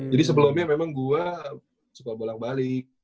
jadi sebelumnya memang gue suka bolak balik